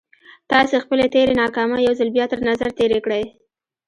تاسې خپلې تېرې ناکامۍ يو ځل بيا تر نظر تېرې کړئ.